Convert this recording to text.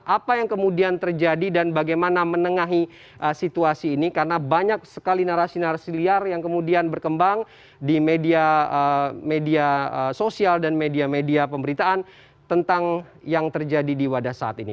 apa yang kemudian terjadi dan bagaimana menengahi situasi ini karena banyak sekali narasi narasi liar yang kemudian berkembang di media sosial dan media media pemberitaan tentang yang terjadi di wadas saat ini